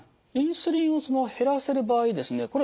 インスリンを減らせる場合ですね